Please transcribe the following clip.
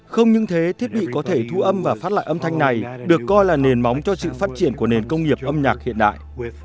không những thế thiết bị có thể thu âm và phát lại âm thanh này được coi là nền móng cho sự phát triển của nền công nghiệp âm nhạc hiện đại